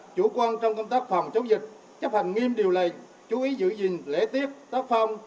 chủ quan trong công tác phòng chống dịch chấp hành nghiêm điều lệnh chú ý giữ gìn lễ tiết tác phong